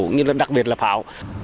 cũng như là đặc biệt là pháo